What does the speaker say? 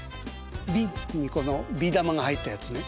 瓶にこのビー玉が入ったやつね。